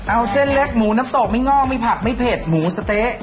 เอาเส้นเล็กหมูน้ำตกไม่งอกไม่ผักไม่เผ็ดหมูสะเต๊ะ